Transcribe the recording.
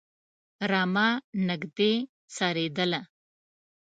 رمه نږدې څرېدله.